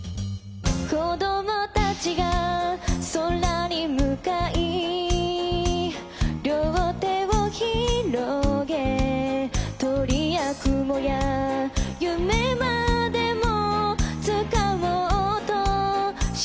「子供たちが空に向かい両手をひろげ」「鳥や雲や夢までもつかもうとしている」